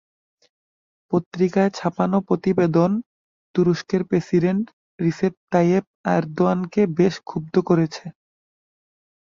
পত্রিকায় ছাপানো প্রতিবেদন তুরস্কের প্রেসিডেন্ট রিসেপ তাইয়েপ এরদোয়ানকে বেশ ক্ষুব্ধ করে।